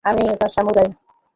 আমিই নতুন সামুরাই!